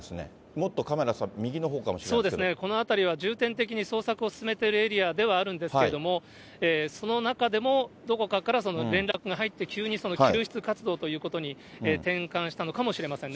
もっとカメラさん、そうですね、この辺りは重点的に捜索を進めているエリアではあるんですけれども、その中でも、どこかから連絡が入って、急にその救出活動ということに転換したのかもしれませんね。